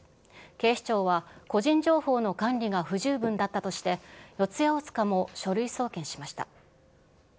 警視庁は、個人情報の管理が不十分だったとして、四谷大塚も書類送検しました。